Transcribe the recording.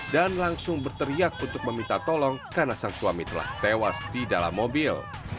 dan langsung berteriak untuk meminta tolong karena sang suami telah tewas di dalam mobil